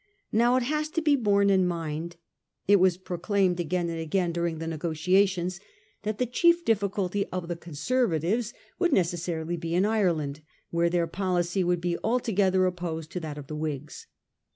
Now it has to be borne in mind — it was proclaimed again 132 A HISTORY OF OUR OWN TIMES. oil. VI, and again during the negotiations — that the dhief difficulty of the Conservatives would necessarily be in Ireland, where their policy would be altogether opposed to that of the Whigs.